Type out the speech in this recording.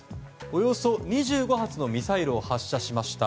およそ２５発のミサイルを発射しました。